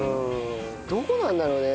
どうなんだろうね？